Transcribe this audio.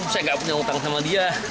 saya tidak punya hutang sama dia